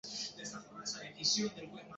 Nola egin duzu errepertorioaren aukeraketa?